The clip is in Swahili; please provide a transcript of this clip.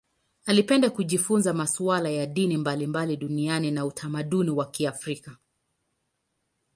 Alipenda kujifunza masuala ya dini mbalimbali duniani na utamaduni wa Kiafrika.